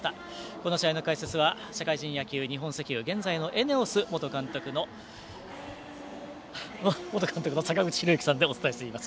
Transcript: この試合の解説は社会人野球日本石油現在のＥＮＥＯＳ元監督の坂口裕之さんでお伝えしています。